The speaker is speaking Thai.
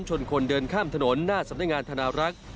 ชนคนเดินข้ามถนนหน้าสำนักงานธนารักษ์